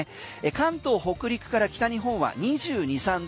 関東、北陸から北日本は２２２３度。